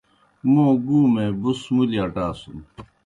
موں گُومے بُس مُلیْ آٹاسُن۔